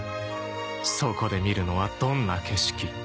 そこで見るのはどんな景色？